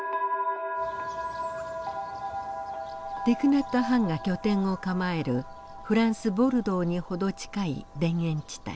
ティク・ナット・ハンが拠点を構えるフランス・ボルドーに程近い田園地帯。